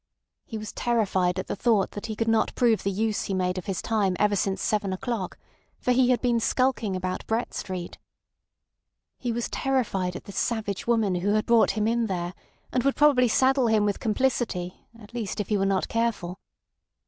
He was terrified at the thought that he could not prove the use he made of his time ever since seven o'clock, for he had been skulking about Brett Street. He was terrified at this savage woman who had brought him in there, and would probably saddle him with complicity, at least if he were not careful.